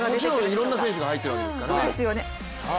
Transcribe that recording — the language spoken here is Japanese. いろんな選手が入っているわけですからね。